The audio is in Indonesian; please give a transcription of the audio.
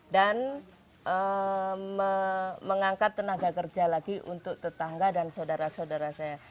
dan mengangkat tenaga kerja lagi untuk tetangga dan saudara saudara saya